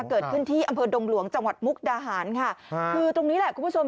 เกิดขึ้นที่อำเภอดงหลวงจังหวัดมุกดาหารค่ะคือตรงนี้แหละคุณผู้ชม